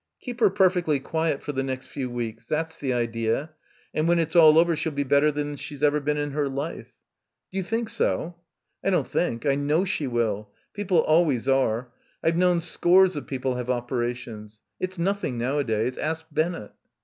"Keep her perfectly quiet for the next few weeks, that's the idea, and when it's all over she'll be better than she's ever been in her life." "D'you think so?" "I don't think, I know she will; people always are. I've known scores of people have operations. It's nothing nowadays. Ask Bennett."